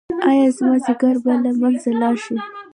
ایا زما ځیګر به له منځه لاړ شي؟